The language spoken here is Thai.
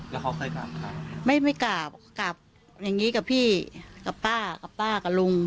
แล้วเขาเคยกราบใครไม่ไม่กราบกราบอย่างงี้กับพี่กับป้ากับป้ากับลุง